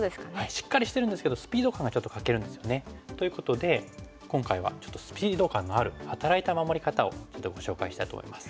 しっかりしてるんですけどスピード感がちょっと欠けるんですよね。ということで今回はちょっとスピード感のある働いた守り方をご紹介したいと思います。